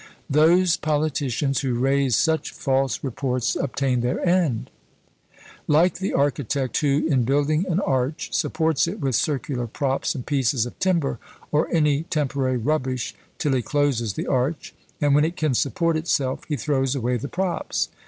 Those politicians who raise such false reports obtain their end: like the architect who, in building an arch, supports it with circular props and pieces of timber, or any temporary rubbish, till he closes the arch; and when it can support itself, he throws away the props!